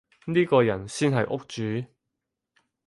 呢個人先係屋主